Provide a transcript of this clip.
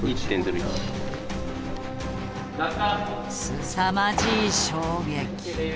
すさまじい衝撃。